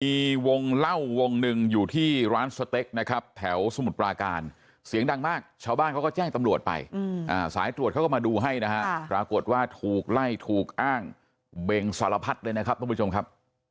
มีวงเล่าวงหนึ่งอยู่ที่ร้านสเต็กนะครับแถวสมุทรปราการเสียงดังมากชาวบ้านเขาก็แจ้งตำรวจไปสายตรวจเขาก็มาดูให้นะฮะปรากฏว่าถูกไล่ถูกอ้างเบงสารพัดเลยนะครับทุกผู้ชมครับ